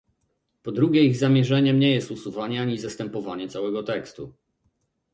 Po drugie, ich zamierzeniem nie jest usuwanie ani zastępowanie całego tekstu